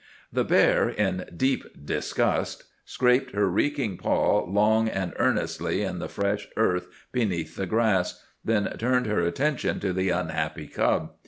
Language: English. The bear, in deep disgust, scraped her reeking paw long and earnestly in the fresh earth beneath the grass, then turned her attention to the unhappy cub.